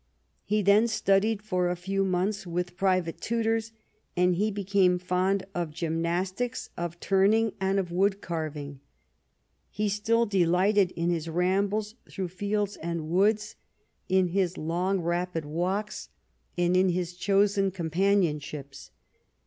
He then studied for a few months with private tutors, and he became fond of gymnas tics, of turning, and of wood carving. He still delighted in his rambles through fields and woods, in his long, rapid walks, and in his chosen com panionships.